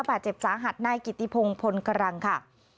บาดเจ็บสาหัสนายกิติพงศ์พลกรังค่ะ